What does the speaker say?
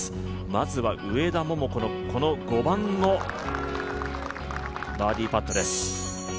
まずは上田桃子のこの５番のバーディーパットです。